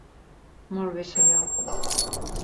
Molt bé, Sr.